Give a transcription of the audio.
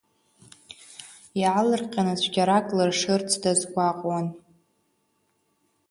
Иаалырҟьаны цәгьарак лыршырц дазгәаҟуан.